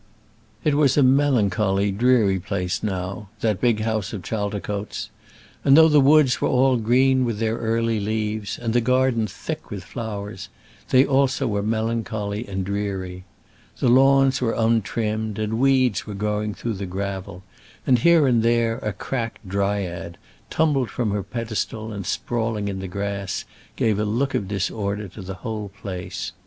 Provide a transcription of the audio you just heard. It was a melancholy, dreary place now, that big house of Chaldicotes; and though the woods were all green with their early leaves, and the gardens thick with flowers, they also were melancholy and dreary. The lawns were untrimmed and weeds were growing through the gravel, and here and there a cracked Dryad, tumbled from her pedestal and sprawling in the grass, gave a look of disorder to the whole place.